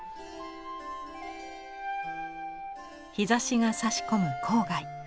日ざしがさし込む郊外。